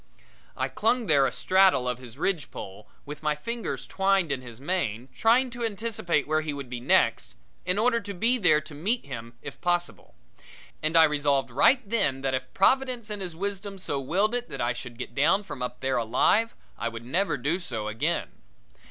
I clung there astraddle of his ridge pole, with my fingers twined in his mane, trying to anticipate where he would be next, in order to be there to meet him if possible; and I resolved right then that, if Providence in His wisdom so willed it that I should get down from up there alive, I would never do so again.